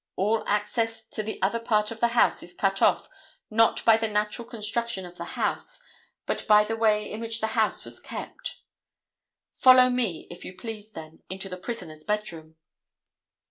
All access to the other part of the house is cut off not by the natural construction of the house but by the way in which the house was kept. Follow me, if you please, then, into the prisoner's bedroom.